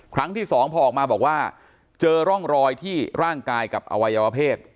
ครั้งที่สองพอออกมาบอกว่าเจอร่องรอยที่ร่างกายกับอวัยวเพศ